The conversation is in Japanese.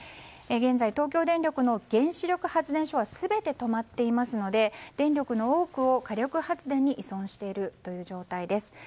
現在、東京電力の原子力発電所は全て止まっていますので電力の多くを火力発電に依存している状態です。